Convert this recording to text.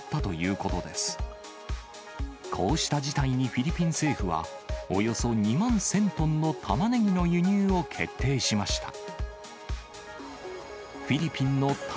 こうした事態にフィリピン政府は、およそ２万１０００トンのタマネギの輸入を決定しました。